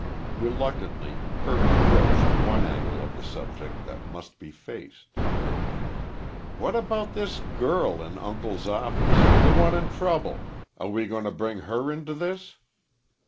Reluctantly Kirby broached one angle of the subject that must be faced. "What about this girl in Uncle's office the one in trouble? Are we goin' to bring her into this?"